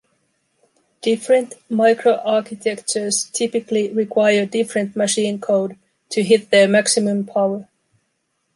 Different micro-architectures typically require different machine code to hit their maximum power.